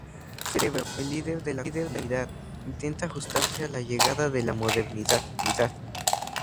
Cerebro, el líder de la comunidad, intenta ajustarse a la llegada de la modernidad.